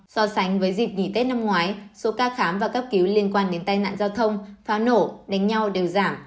so sánh với dịp nghỉ tết năm ngoái số ca khám và cấp cứu liên quan đến tai nạn giao thông pháo nổ đánh nhau đều giảm